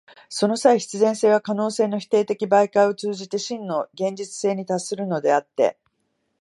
その際、必然性は可能性の否定的媒介を通じて真の現実性に達するのであって、